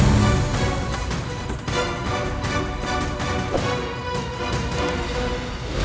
maka saya juga meminta bagian kanjeng sunan